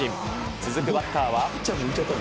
続くバッターは。